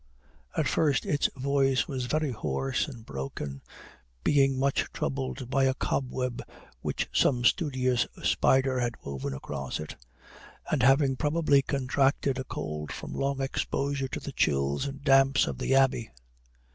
At first its voice was very hoarse and broken, being much troubled by a cobweb which some studious spider had woven across it; and having probably contracted a cold from long exposure to the chills and damps of the abbey.